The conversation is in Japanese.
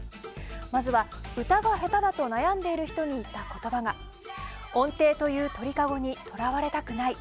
まずは歌が下手だと悩んでいる人に言った言葉が音程という鳥かごに囚われたくない。